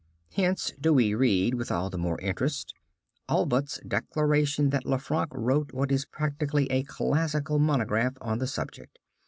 Hence do we read, with all the more interest, Allbutt's declaration that Lanfranc wrote what is practically a classical monograph, on the subject.